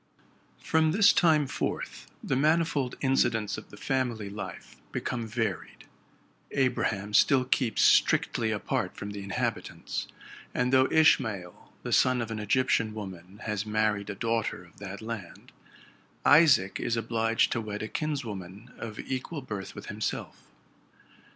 From this time forth the manifold incidents of the family life become varied. Abraham still keeps strictly apart from the inhabitants ; and though Ishmael, the son of an Egyptian woman, has married a daughter of that land, Isaac is obliged to wed a kinswoman of equal birth with himself.